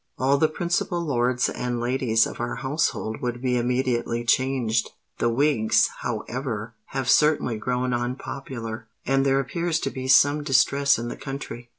All the principal lords and ladies of our household would be immediately changed. The Whigs, however, have certainly grown unpopular; and there appears to be some distress in the country.